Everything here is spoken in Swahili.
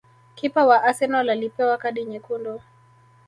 Kipa wa Arsenal alipewa kadi nyekundu